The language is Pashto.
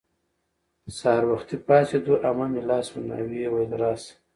سهار وختي پاڅېدو. عمه مې لاس ونیو او ویې ویل:راشه